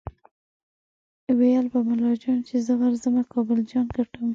ویل به ملا جان چې زه ورځمه کابل جان ګټم